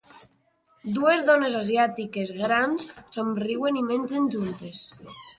Dues dones asiàtiques grans somriuen i mengen juntes.